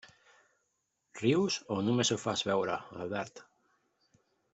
Rius o només ho fas veure, Albert?